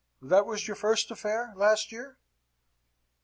That was your first affair, last year?"